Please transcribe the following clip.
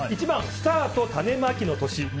１番、スタート・種まきの年。